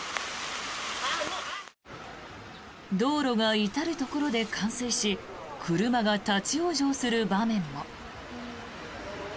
道路が至るところで冠水し車が立ち往生する場面も。